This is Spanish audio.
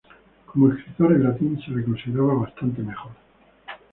Como escritor en latín se le consideraba bastante mejor.